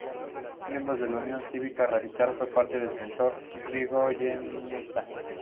Miembro de la Unión Cívica Radical, fue parte del sector yrigoyenista.